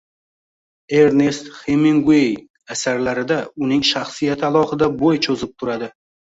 Ernest Heminguey asarlarida uning shaxsiyati alohida bo‘y cho‘zib turadi